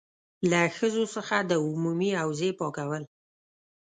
له ښځو څخه د عمومي حوزې پاکول.